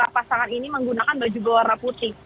pasangan ini menggunakan baju berwarna putih